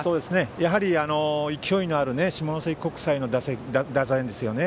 やはり、勢いのある下関国際の打線ですよね。